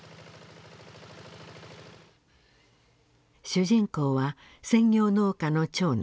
主人公は専業農家の長男。